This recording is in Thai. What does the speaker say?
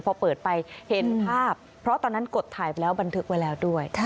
พอเปิดไปเห็นภาพเพราะตอนนั้นกดถ่ายไปแล้วบันทึกไว้แล้วด้วย